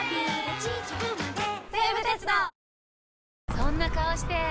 そんな顔して！